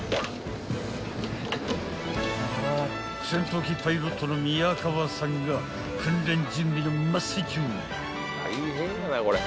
［戦闘機パイロットの宮川さんが訓練準備の真っ最中］